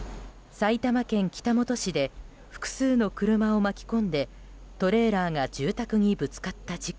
埼玉県北本市で複数の車を巻き込んでトレーラーが住宅にぶつかった事故。